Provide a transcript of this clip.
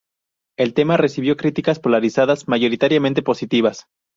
El tema recibió críticas polarizadas, mayoritariamente positivas.